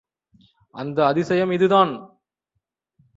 அந்த அதிசயம் இதுதான்.